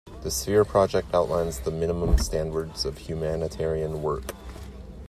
The Sphere Project outlines the minimum standards of humanitarian work.